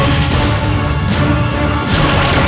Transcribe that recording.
tidak ada apa apa